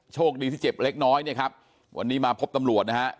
โชคดีที่เจ็บเล็กน้อยวันนี้มาพบตำรวจ